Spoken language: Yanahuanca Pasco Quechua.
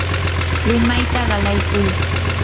rimayta qalaykuy.